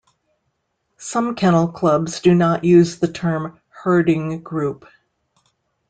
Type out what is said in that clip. Some kennel clubs do not use the term "Herding Group".